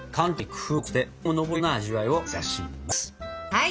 はい！